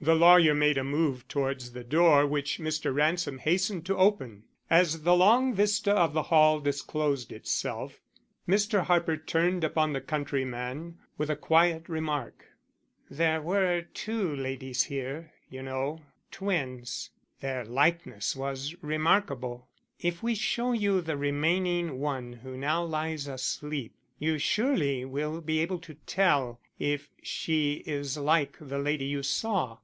The lawyer made a move towards the door which Mr. Ransom hastened to open. As the long vista of the hall disclosed itself, Mr. Harper turned upon the countryman with the quiet remark: "There were two ladies here, you know. Twins. Their likeness was remarkable. If we show you the remaining one who now lies asleep, you surely will be able to tell if she is like the lady you saw."